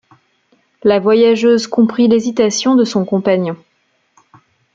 La voyageuse comprit l’hésitation de son compagnon.